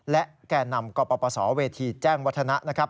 และแก่นำกปปสาวเวทีแจ้งวัฒนะ